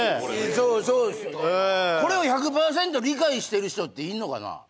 そうそうですこれを１００％理解してる人っているのかな？